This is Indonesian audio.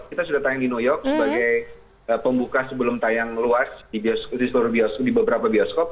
kita sudah tayang di new york sebagai pembuka sebelum tayang luas di beberapa bioskop